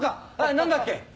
何だっけ？